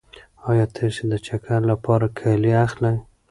ایا تاسې د چکر لپاره کالي اخلئ؟